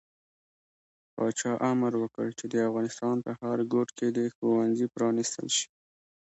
پاچا امر وکړ چې د افغانستان په هر ګوټ کې د ښوونځي پرانستل شي.